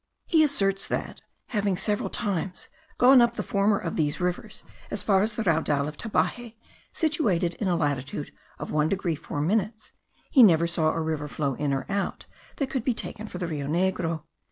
He asserts that, having several times gone up the former of these rivers as far as the Raudal of Tabaje, situate in the latitude of 1 degree 4 minutes, he never saw a river flow in or out that could be taken for the Rio Negro.